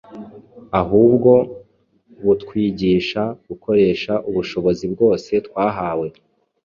ahubwo butwigisha gukoresha ubushobozi bwose twahawe.